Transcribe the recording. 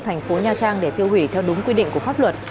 thành phố nha trang để tiêu hủy theo đúng quy định của pháp luật